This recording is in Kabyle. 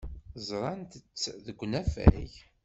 Ẓrant-tt deg unafag.